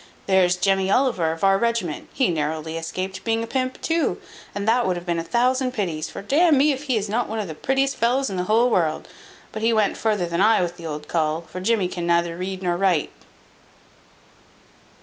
There's Jemmy Oliver, of our regiment, he narrowly escaped being a pimp too, and that would have been a thousand pities; for d n me if he is not one of the prettiest fellows in the whole world; but he went farther than I with the old cull, for Jimmey can neither write nor read."